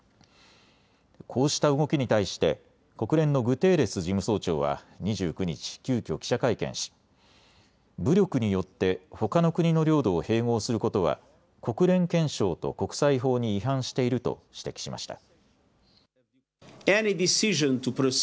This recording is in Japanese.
こうした動きに対して国連のグテーレス事務総長は２９日、急きょ記者会見し武力によってほかの国の領土を併合することは国連憲章と国際法に違反していると指摘しました。